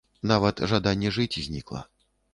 Нават жаданне жыць знікла.